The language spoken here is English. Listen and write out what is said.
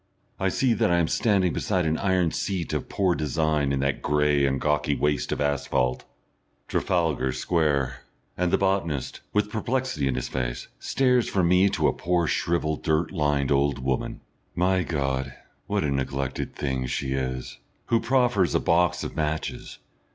I see that I am standing beside an iron seat of poor design in that grey and gawky waste of asphalte Trafalgar Square, and the botanist, with perplexity in his face, stares from me to a poor, shrivelled, dirt lined old woman my God! what a neglected thing she is! who proffers a box of matches....